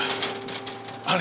あれ？